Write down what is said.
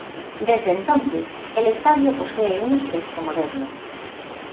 Desde entonces, el estadio posee un aspecto moderno.